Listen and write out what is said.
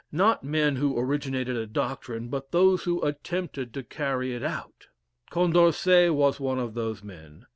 Not men who originated a doctrine, but those who attempted to carry it out. Condorcet was one of those men.